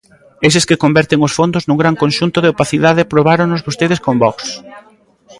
Eses que converten os fondos nun gran conxunto de opacidade aprobáronos vostedes con Vox.